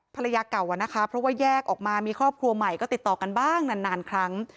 ภรรยาเก่าอะนะคะเพราะว่าแยกออกมามีครอบครัวใหม่ก็ติดต่อกันบ้างนานครั้ง